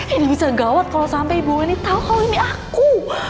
ini bisa gawat kalo sampe ibu weni tau kalo ini aku